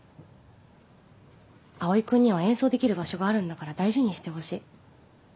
蒼君には演奏できる場所があるんだから大事にしてほしい。